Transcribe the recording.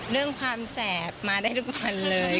เรื่องความแสบมาได้ทุกวันเลย